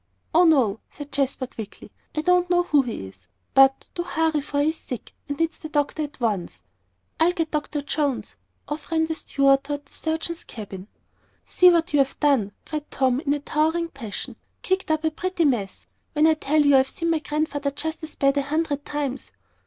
"Oh, no," said Jasper, quickly, "I don't know who he is. But, do hurry, for he's sick, and needs the doctor at once." "I'll get Dr. Jones." Off ran the steward toward the surgeon's cabin. "See what you've done," cried Tom, in a towering passion. "Kicked up a pretty mess when I tell you I've seen my Grandfather just as bad a hundred times."